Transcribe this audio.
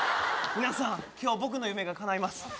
皆さん今日僕の夢がかないます